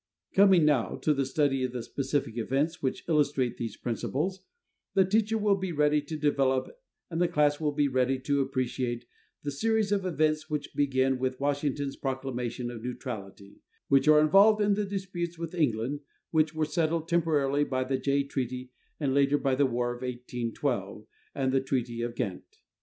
Coming now to the study of the specific events which illustrate these principles, the teacher will be ready to develop and the class will be ready to appreciate the series of events which begin with Washington's Proclamation of Neutrality, which are involved in the disputes with England which were settled temporarily by the Jay Treaty and later by the War of 1812 and the Treaty of Ghent.